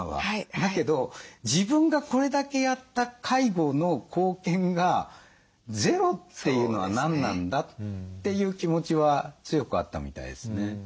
だけど「自分がこれだけやった介護の貢献がゼロっていうのは何なんだ」という気持ちは強くあったみたいですね。